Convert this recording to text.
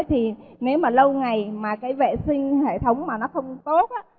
thì nếu mà lâu ngày mà cái vệ sinh hệ thống mà nó không tốt á